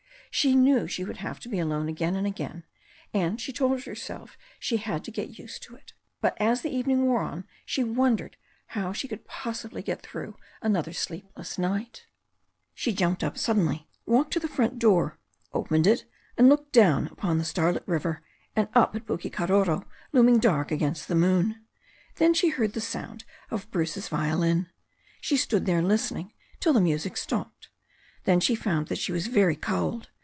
She knew she would have to be alone again and again, and she told herself she had to get used to it. But, as the evening wore on, she wondered how she could possibly get through another sleepless night She jumped up suddenly, walked to the front door, opened it and looked down upon the starlit river, and up at Puke karoro, looming dark against the moon. Then she heard the sound of Bruce's violin. She stood there listening till the music stopped. Then she found that she was very cold.